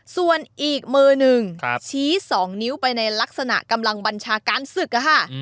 ส่วนอีกมือหนึ่งชี้๒นิ้วไปในลักษณะกำลังบัญชาการศึกค่ะ